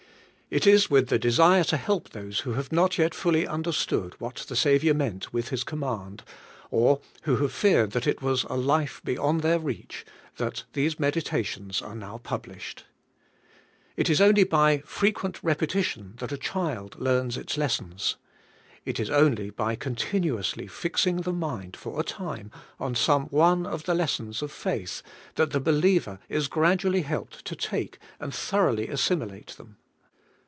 It is with the desire to help those who have not yet fully understood what the Saviour meant with His command, or who have feared that it was a life beyond their reach, that these meditations are now published. It is only by frequent repetition that a child learns its lessons. It is only by continuously fixing the mind for a time on some one of the lessons of faith, that the believer is gradually helped to take and thoroughly assimilate them.